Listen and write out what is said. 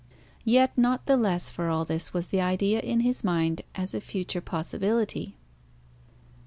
Yet not the less for all this was the idea in his mind as a future possibility.